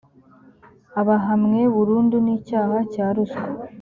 abahamwe burundu n icyaha cya ruswa